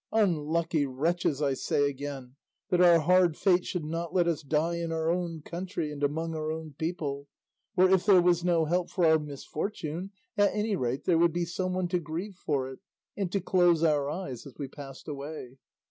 Unlucky wretches, I say again, that our hard fate should not let us die in our own country and among our own people, where if there was no help for our misfortune, at any rate there would be some one to grieve for it and to close our eyes as we passed away!